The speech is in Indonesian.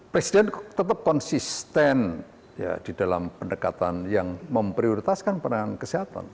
presiden tetap konsisten di dalam pendekatan yang memprioritaskan penanganan kesehatan